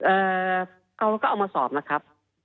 เอ่อเขาก็เอามาสอบนะครับ